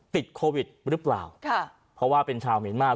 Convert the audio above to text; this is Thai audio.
ติดโควิดหรือเปล่าค่ะเพราะว่าเป็นชาวเมียนมาร์